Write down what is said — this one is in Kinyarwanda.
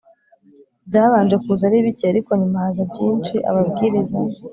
Byabanje kuza ari bike ariko nyuma haza byinshi Ababwiriza